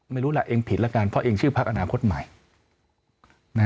ไม่รู้ล่ะเองผิดแล้วกันเพราะเองชื่อพักอนาคตใหม่